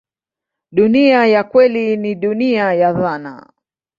Dunia ya kweli ni dunia ya dhana.